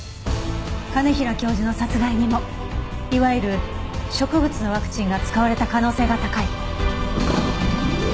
兼平教授の殺害にもいわゆる植物のワクチンが使われた可能性が高い。